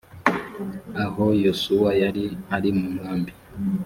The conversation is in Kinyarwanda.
ahoyosuwa yari ari mu nkambi